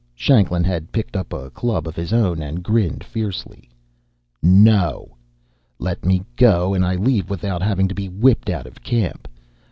Shanklin had picked up a club of his own, and grinned fiercely. "No. Let me go, and I leave without having to be whipped out of camp.